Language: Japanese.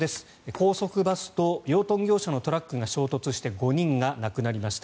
高速バスと養豚業者のトラックが衝突して５人が亡くなりました。